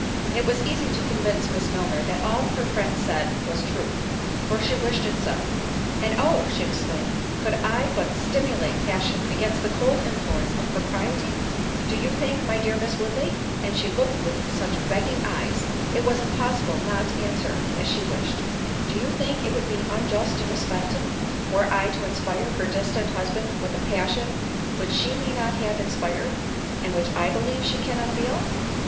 It was easy to convince Miss Milner that all her friend said was truth, for she wished it so. "And oh!" she exclaimed, "could I but stimulate passion, against the cold influence of propriety;—Do you think, my dear Miss Woodley," (and she looked with such begging eyes, it was impossible not to answer as she wished,) "do you think it would be unjust to Miss Fenton, were I to inspire her destined husband with a passion which she may not have inspired, and which I believe she cannot feel?"